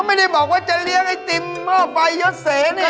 ไม่ได้บอกว่าจะเลี้ยงไอติมหม้อไฟยดเสนี่